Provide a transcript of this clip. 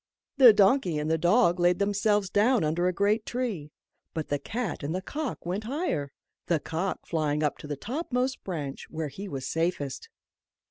The donkey and the dog laid themselves down under a great tree, but the cat and the cock went higher the cock flying up to the topmost branch, where he was safest.